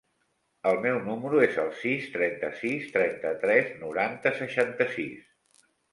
El meu número es el sis, trenta-sis, trenta-tres, noranta, seixanta-sis.